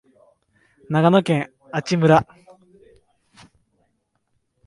長野県阿智村